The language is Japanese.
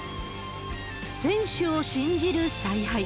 選手を信じる采配。